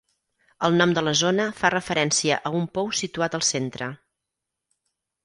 El nom de la zona fa referència a un pou situat al centre.